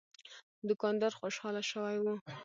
دوکاندار خوشاله شوی و.